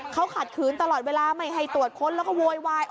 เขาขัดขืนตลอดเวลาไม่ให้ตรวจค้นแล้วก็โวยวาย